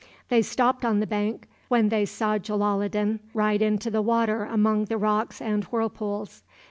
They stopped on the bank when they saw Jalaloddin ride into the water among the rocks and whirlpools.